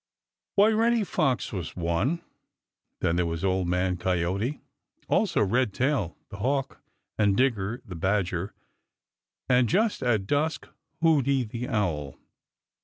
Why, Reddy Fox was one. Then there was Old Man Coyote, also Redtail the Hawk and Digger the Badger, and just at dusk Hooty the Owl.